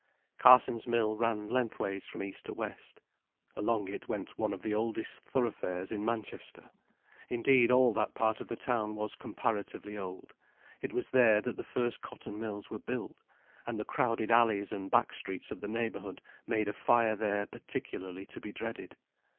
Carsons' mill ran lengthways from east to west. Along it went one of the oldest thoroughfares in Manchester. Indeed all that part of the town was comparatively old; it was there that the first cotton mills were built, and the crowded alleys and back streets of the neighbourhood made a fire there particularly to be dreaded.